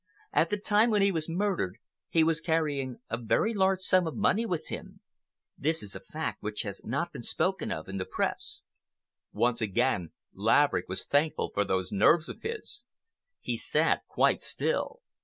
At the time when he was murdered, he was carrying a very large sum of money with him. This is a fact which has not been spoken of in the Press." Once again Laverick was thankful for those nerves of his. He sat quite still.